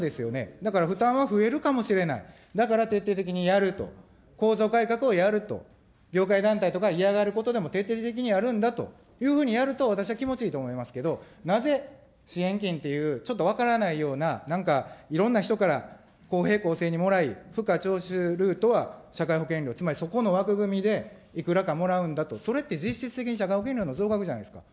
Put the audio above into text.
だから負担は増えるかもしれない、だから徹底的にやると、構造改革をやると、業界団体とか嫌がるところでも徹底的にやるんだというふうにやると私は気持ちいいと思いますけど、なぜ支援金という、ちょっと分からないような、なんかいろんな人から公平公正にもらい、賦課徴収ルートは社会保険料、つまりそこの枠組みでいくらかもらうんだと、それって実質的に、社会保険料の増額じゃないですか。